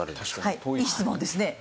はいいい質問ですね。